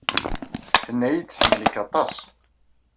Tenna-iyi-d tḥemmel-ik aṭas.